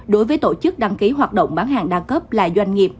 đối với tổ chức đăng ký hoạt động bán hàng đa cấp là doanh nghiệp